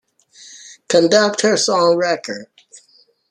"Conductors on Record".